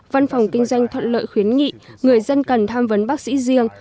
văn phòng kinh doanh thuận lợi khuyến nghị người dân cần tham vấn bác sĩ riêng